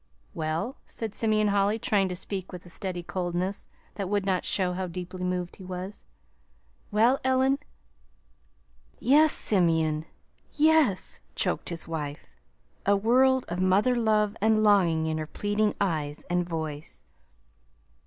"Well?" said Simeon Holly, trying to speak with a steady coldness that would not show how deeply moved he was. "Well, Ellen?" "Yes, Simeon, yes!" choked his wife, a world of mother love and longing in her pleading eyes and voice.